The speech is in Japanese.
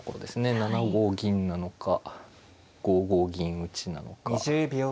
７五銀なのか５五銀打なのか。